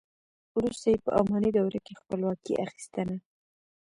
وروسته یې په اماني دوره کې خپلواکي اخیستنه.